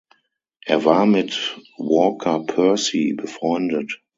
Er war mit Walker Percy befreundet.